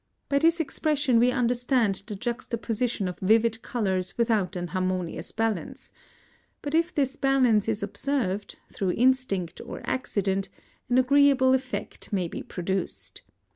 By this expression we understand the juxtaposition of vivid colours without an harmonious balance; but if this balance is observed, through instinct or accident, an agreeable effect may be produced.